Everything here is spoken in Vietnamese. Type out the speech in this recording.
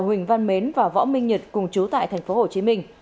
huỳnh văn mến và võ minh nhật cùng chú tại thành phố hồ chí minh